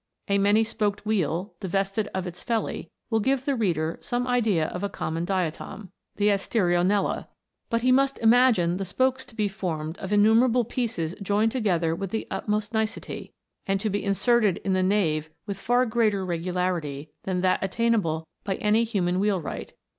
A many spoked wheel, divested of its felly, will give the reader some idea of a common diatom;* but he must imagine the spokes to be formed of innume rable pieces joined together with the utmost nicety, and to be inserted in the nave with far greater regularity than that attainable by any human wheelwright.